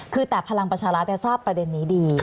คือแต่พลังปัชราชน์แบบทราบประเด็นนี้ดี